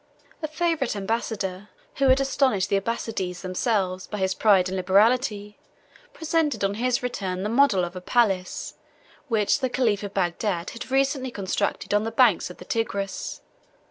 A favorite ambassador, who had astonished the Abbassides themselves by his pride and liberality, presented on his return the model of a palace, which the caliph of Bagdad had recently constructed on the banks of the Tigris.